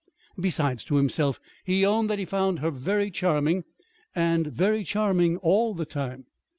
Besides, to himself he owned that he found her very charming and very charming all the time.